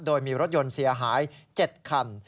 โดยมีรถยนต์เสียหาย๗คัน